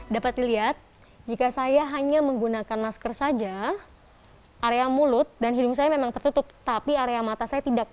dapat dilihat jika saya hanya menggunakan masker saja area mulut dan hidung saya memang tertutup tapi area mata saya tidak